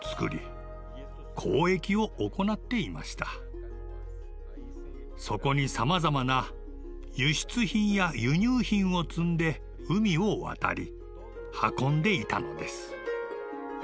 当時は大きなそこにさまざまな輸出品や輸入品を積んで海を渡り運んでいたのです。